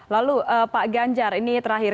lalu pak ganjar ini terakhir